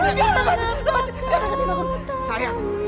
lepaskan aku bantuku